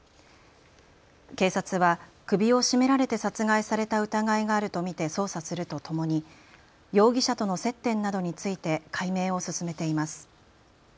警察は首を絞められて殺害された疑いがあると見て捜査するとともに容疑者との接点などについて解明を進めています。